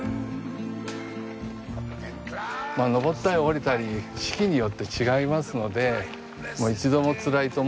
登ったり下りたり四季によって違いますので一度もつらいと思ったこともないですね。